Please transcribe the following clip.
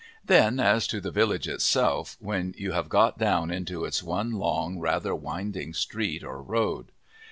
Then, as to the village itself, when you have got down into its one long, rather winding street, or road.